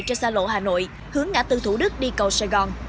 trên xa lộ hà nội hướng ngã tư thủ đức đi cầu sài gòn